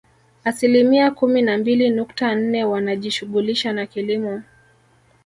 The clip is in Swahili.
Asilimia kumi na mbili nukta nne wanajishughulisha na kilimo